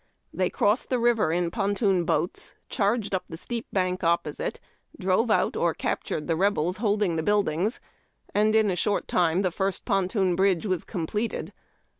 They crossed the river in ponton boats, cliarged up the steep bank opposite, drove out, or captured the Rebels holding the buildings, and in a short time the first ponton bridge was completed.